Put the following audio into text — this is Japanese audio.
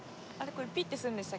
これピッてするんでしたっけ？